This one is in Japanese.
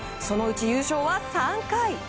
そのうち優勝は３回。